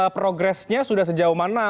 progresnya sudah sejauh mana